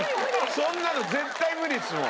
そんなの絶対無理ですもん！